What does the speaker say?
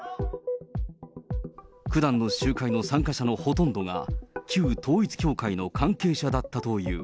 くだんの集会の参加者のほとんどが旧統一教会の関係者だったという。